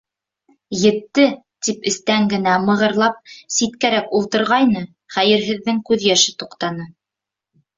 Етте, тип эстән генә мығырлап ситкәрәк ултырғайны, хәйерһеҙҙең күҙ йәше туҡтаны.